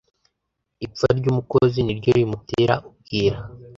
ipfa ry'umukozi ni ryo rimutera ubwira